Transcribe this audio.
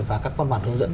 và các văn bản hướng dẫn